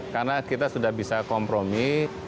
karena kita sudah bisa kompromi